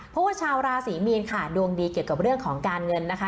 เพราะว่าชาวราศรีมีนค่ะดวงดีเกี่ยวกับเรื่องของการเงินนะคะ